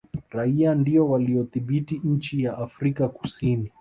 raia ndio waliyoidhibiti nchi ya afrika kusini